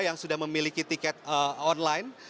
yang sudah memiliki tiket online